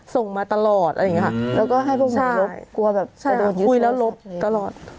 ส่งมาตลอดอะไรอย่างเงี้ยค่ะแล้วก็ให้พวกมันลบใช่คุยแล้วลบตลอด